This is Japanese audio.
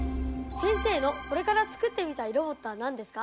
先生のこれから作ってみたいロボットは何ですか？